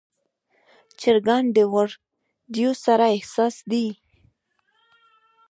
چرګان د وریدو سره حساس دي.